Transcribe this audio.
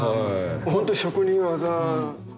本当に職人技。